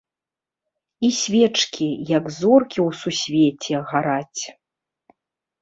І свечкі, як зоркі ў сусвеце, гараць.